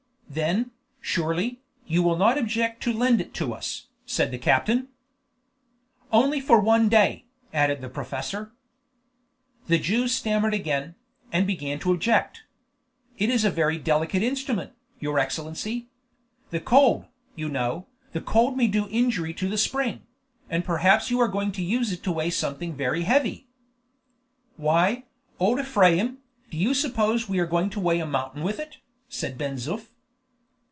"Then, surely, you will not object to lend it to us?" said the captain. "Only for one day," added the professor. The Jew stammered again, and began to object. "It is a very delicate instrument, your Excellency. The cold, you know, the cold may do injury to the spring; and perhaps you are going to use it to weigh something very heavy." "Why, old Ephraim, do you suppose we are going to weigh a mountain with it?" said Ben Zoof.